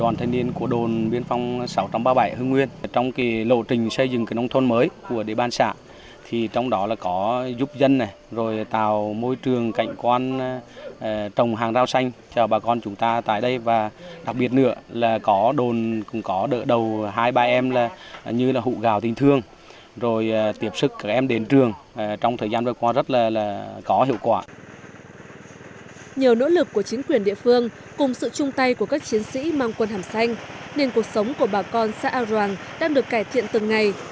nhiều nỗ lực của chính quyền địa phương cùng sự chung tay của các chiến sĩ mang quân hàm xanh nên cuộc sống của bà con xa ao đoàn đang được cải thiện từng ngày